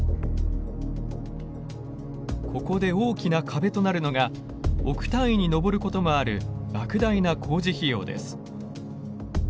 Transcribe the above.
ここで大きな壁となるのが億単位に上ることもあるばく大な工事費用です。